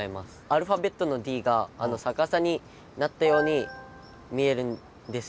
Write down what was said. アルファベットのＤが逆さになったように見えるんですよ。